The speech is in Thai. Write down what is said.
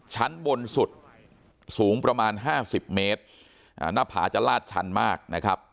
ชั้นบนสุดสูงประมาณห้าสิบเมตรอ่าหน้าผาจะลาดชันมากนะครับ